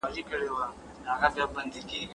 بهرنۍ پالیسي د ملي هویت څخه جلا نه ده.